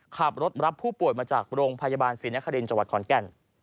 ขับรถรับผู้ป่วยมาจากโรงพยาบาลศรีนครินทร์จังหวัดขอนแก่น